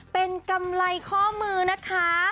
เป็นกำไรข้อมือนะคะ